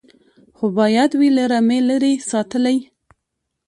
خو باید وي له رمې لیري ساتلی